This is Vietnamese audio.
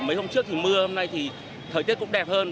mấy hôm trước thì mưa hôm nay thì thời tiết cũng đẹp hơn